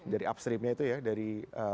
dari upstreamnya itu ya dari